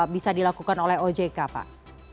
bisa dilakukan oleh ojk pak